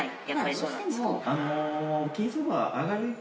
どうしても。